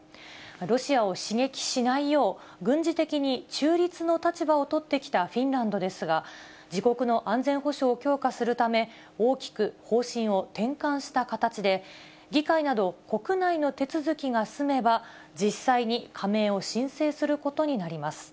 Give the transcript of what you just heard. ロシアを刺激しないよう、軍事的に中立の立場を取ってきたフィンランドですが、自国の安全保障を強化するため、大きく方針を転換した形で、議会など国内の手続きが済めば、実際に加盟を申請することになります。